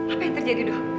apa yang terjadi dok